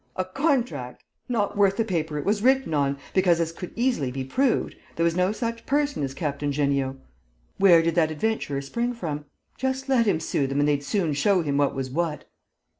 A contract? Not worth the paper it was written on, because, as could easily be proved, there was no such person as Captain Jeanniot. Where did that adventurer spring from? Just let him sue them and they'd soon show him what was what!"